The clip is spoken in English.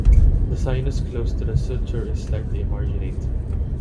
The sinus close to the suture is slightly emarginate.